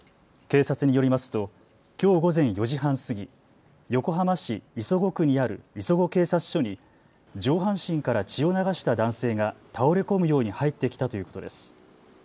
警察によりますときょう午前４時半過ぎ、横浜市磯子区にある磯子警察署に上半身から血を流した男性が倒れ込むように入ってきたということです。